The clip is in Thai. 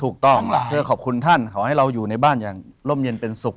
ถูกต้องเพื่อขอบคุณท่านขอให้เราอยู่ในบ้านอย่างร่มเย็นเป็นสุข